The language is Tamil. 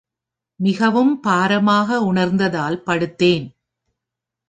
மிகவும் பாரமாக உணர்ந்ததால் படுத்தேன்.